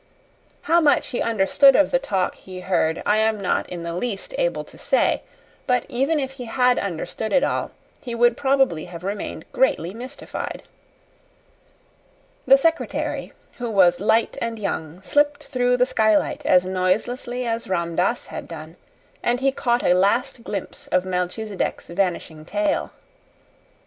How much he understood of the talk he heard I am not in the least able to say; but, even if he had understood it all, he would probably have remained greatly mystified. The secretary, who was light and young, slipped through the skylight as noiselessly as Ram Dass had done; and he caught a last glimpse of Melchisedec's vanishing tail.